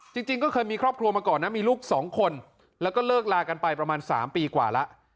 จริงก็เคยมีครอบครัวมาก่อนนะมีลูกสองคนแล้วก็เลิกลากันไปประมาณ๓ปีกว่าแล้ว